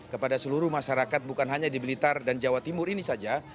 kepada seluruh masyarakat bukan hanya di blitar dan jawa timur ini saja